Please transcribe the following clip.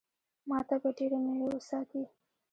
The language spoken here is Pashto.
ما ته به ډېرې مېوې وساتي.